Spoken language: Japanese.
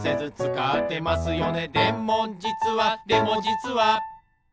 「でもじつはでもじつは」